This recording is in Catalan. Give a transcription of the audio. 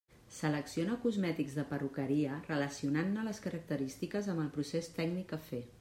Selecciona cosmètics de perruqueria relacionant-ne les característiques amb el procés tècnic a fer.